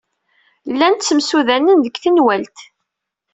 Llan ttemsudanen deg tenwalt.